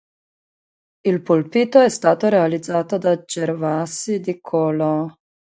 Il pulpito è stato realizzato da Gervasi di Collo.